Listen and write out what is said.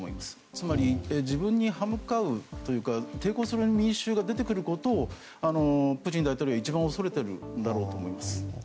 つまり、自分に歯向かうというか抵抗する民衆が出てくることをプーチン大統領は一番恐れているんだろうと思います。